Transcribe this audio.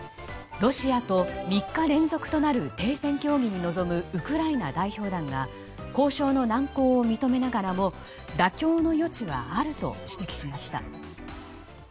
ロシアと３日連続となる停戦協議に臨むウクライナ代表団が交渉の難航を認めながらも妥協の余地はあると指摘しました。